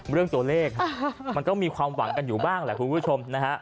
เรื่องตัวเลขมันก็มีความหวังกันอยู่บ้างแหละคุณผู้ชมนะฮะ